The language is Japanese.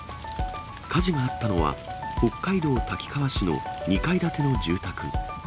火事があったのは、北海道滝川市の２階建ての住宅。